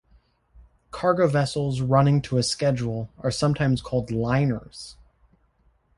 Cargo vessels running to a schedule are sometimes called "liners".